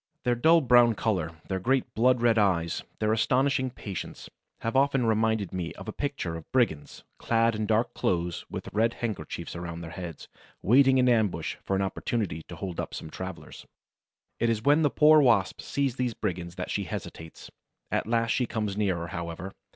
Their dull brown color, their great blood red eyes, their astonishing patience, have often reminded me of a picture of brigands, clad in dark clothes, with red handkerchiefs around their heads, waiting in ambush for an opportunity to hold up some travelers. It is when the poor Wasp sees these brigands that she hesitates. At last she comes nearer, however.